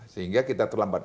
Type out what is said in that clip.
sehingga kita terlambat